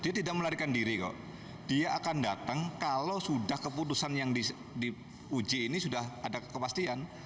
dia tidak melarikan diri kok dia akan datang kalau sudah keputusan yang diuji ini sudah ada kepastian